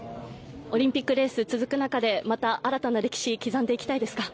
オリンピックレースが続く中でまた新たな歴史刻んでいきたいですか？